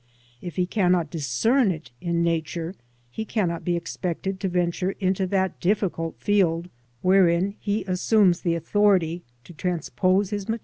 If he cannot discern it in Nature, he cannot be expected to venture into that difficult field, wherein he assumes the authority to transpose his materials to 32 L^ »A,j, i